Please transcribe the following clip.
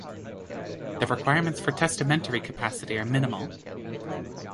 The requirements for testamentary capacity are minimal.